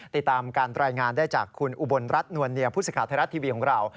ติดตามการรายงานได้จากคุณอุบลรัฐนวลเนียผู้สิทธิ์ไทยรัฐทีวีของเรา